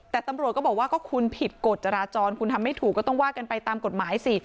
แต่ตำรวจก็บอกว่าก็คุณผิดกฎจราจรคุณทำไม่ถูกก็ต้องว่ากันไปตามกฎหมายสิ